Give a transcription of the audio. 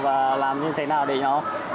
và làm như thế nào để nó